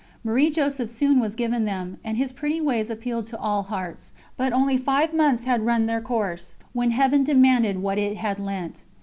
Marie Joseph soon was given them, and his pretty ways appealed to all hearts, but only five months had run their course when Heaven demanded what it had lent.